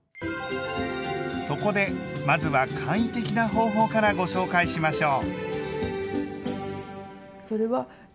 そこでまずは簡易的な方法からご紹介しましょう！